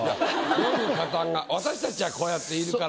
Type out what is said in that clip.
読む方が私たちはこうやっているから。